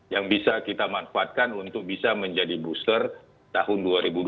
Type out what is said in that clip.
yang bisa kita manfaatkan untuk bisa menjadi booster tahun dua ribu dua puluh